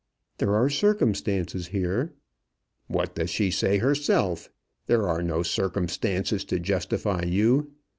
"There are circumstances here." "What does she say herself? There are no circumstances to justify you.